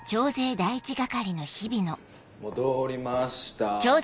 戻りました。